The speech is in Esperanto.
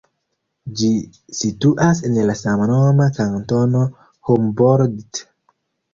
Ĝi situas en la samnoma kantono Humboldt.